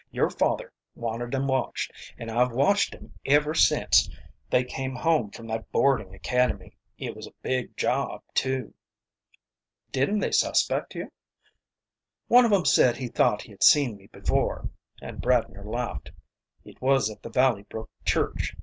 "Your father wanted 'em watched, and I've watched 'em ever since they came home from that boarding academy. It was a big job, too." "Didn't they suspect you?" "One of 'em said he thought he had seen me before." And Bradner laughed. "It was at the Valley Brook Church.